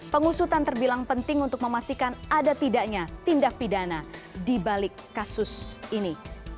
pengusutan terbilang penting untuk memastikan ada tidaknya tindak pidana di balik kasus ini